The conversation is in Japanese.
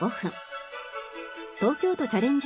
東京都チャレンジ